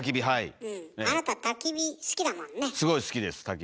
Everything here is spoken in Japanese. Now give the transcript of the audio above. はい。